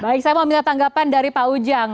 baik saya mau minta tanggapan dari pak ujang